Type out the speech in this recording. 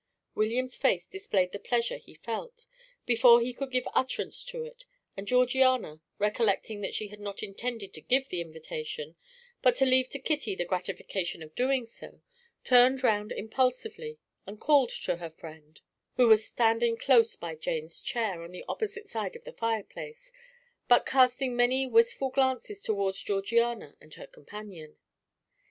William's face displayed the pleasure he felt, before he could give utterance to it, and Georgiana, recollecting that she had not intended to give the invitation, but to leave to Kitty the gratification of doing so, turned round impulsively and called to her friend, who was standing close by Jane's chair on the opposite side of the fireplace, but casting many wistful glances towards Georgiana and her companion.